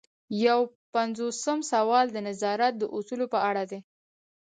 یو پنځوسم سوال د نظارت د اصولو په اړه دی.